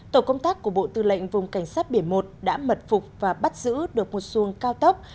tổ công tác của bộ tư lệnh vùng cảnh sát biển một đã mật phục và bắt giữ được một xuồng cao tốc